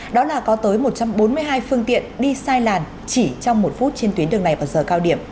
đó là có tới một trăm bốn mươi hai phương tiện đi sai làn chỉ trong một phút trên tuyến đường này vào giờ cao điểm